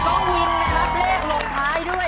ต้องยืนในรับเลขรบท้ายด้วย